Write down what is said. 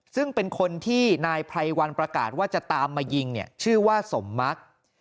ซึ่งเป็นคนที่นายไพรวันประกาศว่าจะตามมายิงเนี่ยชื่อว่าสมมัก